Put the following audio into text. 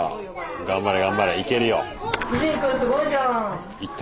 頑張れ頑張れいけるよ。いった？